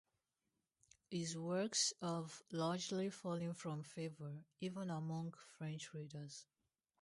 His works have largely fallen from favour, even among French readers.